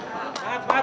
baik baik baik